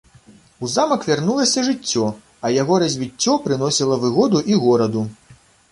У замак вярнулася жыццё, а яго развіццё прыносіла выгоду і гораду.